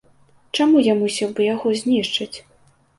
Чаму я мусіў быў яго знішчыць?